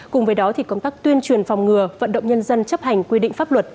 cùng với đó công tác tuyên truyền phòng ngừa vận động nhân dân chấp hành quy định pháp luật